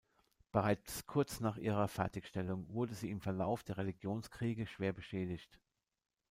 Bereits kurz nach ihrer Fertigstellung wurde sie im Verlauf der Religionskriege schwer beschädigt.